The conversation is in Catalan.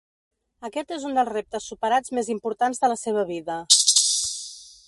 Aquest és un dels reptes superats més importants de la seva vida.